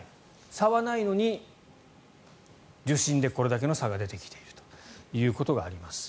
差はないのに受診でこれだけの差が出てきているということがあります。